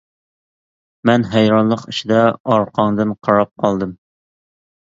مەن ھەيرانلىق ئىچىدە ئارقاڭدىن قاراپ قالدىم.